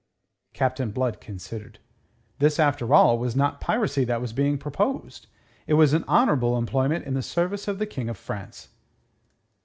Captain Blood considered. This, after all, was not piracy that was being proposed. It was honourable employment in the service of the King of France.